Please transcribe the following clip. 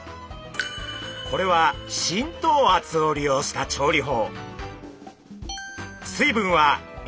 これは浸透圧を利用した調理法。